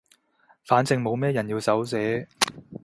反正冇咩人要手寫